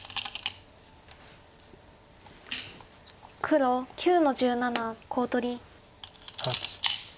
黒９の十七コウ取り。